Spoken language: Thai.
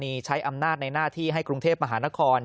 มีใช้อำนาจในหน้าที่ให้กรุงเทพมหานคร